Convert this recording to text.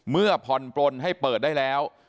เมื่อผ่อนปลนให้เปิดได้แล้ว